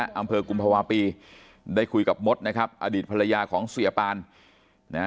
อำเภอกุมภาวะปีได้คุยกับมดนะครับอดีตภรรยาของเสียปานนะฮะ